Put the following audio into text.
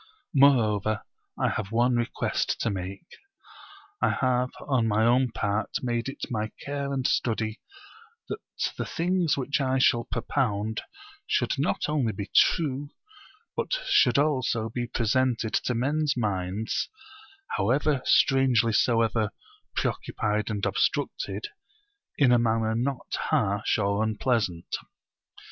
Moreover I have one request to make. I have on my own part made it my care and study that the things which I shall propound should not only be true, but should also be presented to men's minds, how strangely soever preoccupied and obstructed, in a manner not harsh or unpleasant.